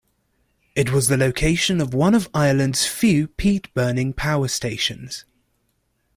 It was the location of one of Ireland's few peat-burning power stations.